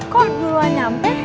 kok duluan nyampe